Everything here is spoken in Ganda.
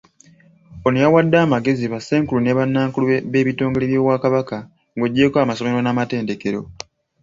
Ono yawade amagezi, ba ssenkulu ne ba nnankulu ab'ebitongole by'Obwakabaka ng'ogyeko amasomero n'amatendekero.